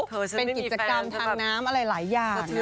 เป็นกิจกรรมทางน้ำอะไรหลายอย่างนะครับเธอฉันไม่มีแฟนสะเทือนใจมากนะคะ